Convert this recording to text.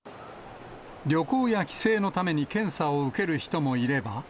旅行や帰省のために検査を受ける人もいれば。